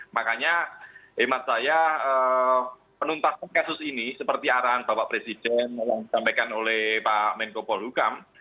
makanya hemat saya penuntasan kasus ini seperti arahan bapak presiden yang disampaikan oleh pak menko polhukam